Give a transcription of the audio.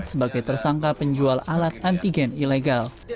sebagai tersangka penjual alat antigen ilegal